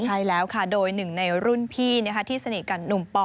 ใช่แล้วค่ะโดยหนึ่งในรุ่นพี่ที่สนิทกับหนุ่มปอ